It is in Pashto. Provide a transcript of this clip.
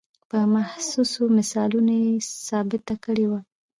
په محسوسو مثالونو یې ثابته کړې وه.